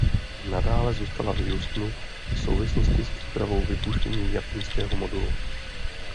Nadále zůstala v Houstonu v souvislosti s přípravou vypuštění japonského modulu.